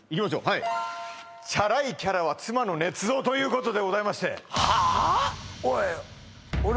はいチャラいキャラは妻のねつ造ということでございましておい